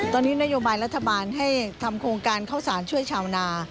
ตอนนี้นโยบายรัฐบาลให้ทำโครงการเข้าสารช่วยชาวนา